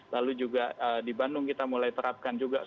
lalu juga di bandung kita mulai terapkan juga